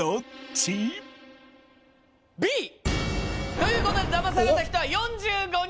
ということで騙された人は４５人。